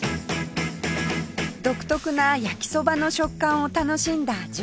独特な焼きそばの食感を楽しんだ純ちゃん